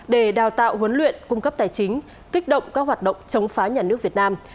để đào tạo huấn luyện cung cấp tài chính kích động các hoạt động chống phá nhà nước việt nam